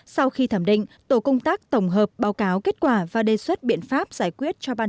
sau khi thẩm định tổ công tác tổng hợp báo cáo kết quả và đề xuất biện pháp giải quyết cho ban